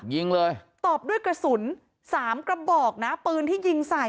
ยิงเลยตอบด้วยกระสุนสามกระบอกนะปืนที่ยิงใส่